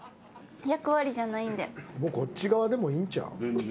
こっち側でもいいんちゃう？